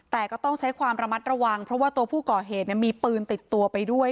แต่ก็ต้องใช้ความระมัดระวังเพราะว่าตัวผู้ก่อเหตุมีปืนติดตัวไปด้วย